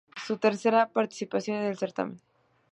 Fue su tercera participación en el certamen.